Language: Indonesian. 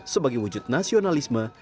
sebagai wujud nasionalisme